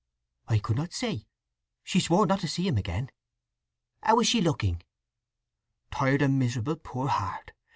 "I could not say. She swore not to see him again." "How is she looking?" "Tired and miserable, poor heart.